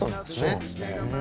そうなんですね。